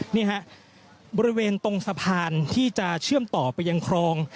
นี่ฮะบริเวณตรงสะพานที่จะเชื่อมต่อไปยังคลอง